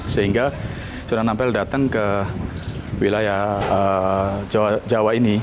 sehingga jonan ampel datang ke wilayah jawa ini